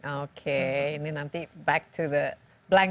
oke ini nanti kembali ke page kosong